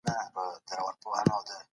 کله چي لسو کلونو ته ورسيږي.